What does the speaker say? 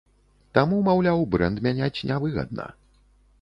Таму, маўляў, брэнд мяняць нявыгадна.